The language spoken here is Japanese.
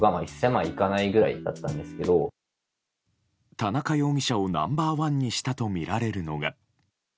田中容疑者をナンバー１にしたとみられるのが。